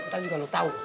nanti juga lu tau ya